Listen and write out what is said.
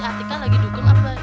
eh itu si atika lagi dugun apa